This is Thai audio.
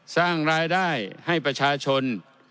สร้างรายได้ให้ประชาชน